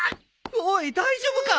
おい大丈夫か！